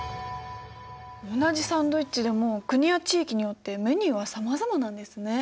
同じサンドイッチでも国や地域によってメニューはさまざまなんですね。